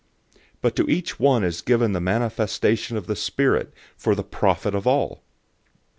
012:007 But to each one is given the manifestation of the Spirit for the profit of all.